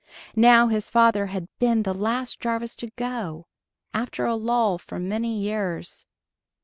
Now his father had been the last Jarvis to go after a lull of many years.